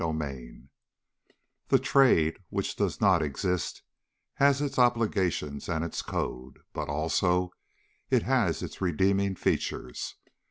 CHAPTER V The Trade which does not exist has its obligations and its code, but also it has its redeeming features.